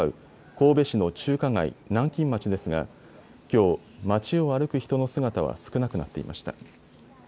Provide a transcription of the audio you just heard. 神戸市の中華街、南京町ですがきょう、街を歩く人の姿は少なくなっていました。